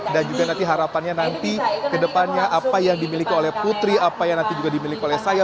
dan juga nanti harapannya nanti ke depannya apa yang dimiliki oleh putri apa yang nanti juga dimiliki oleh saya